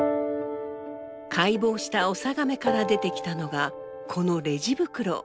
解剖したオサガメから出てきたのがこのレジ袋。